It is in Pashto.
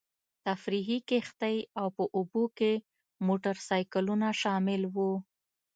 تفریحي کښتۍ او په اوبو کې موټرسایکلونه شامل وو.